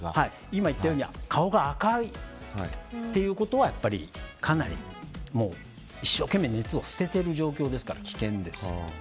今言ったように顔が赤いということは、やっぱりかなりもう一生懸命熱を捨てている状況ですから危険です。